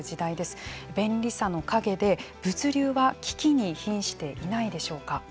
便利さの陰で物流は危機にひんしていないでしょうか。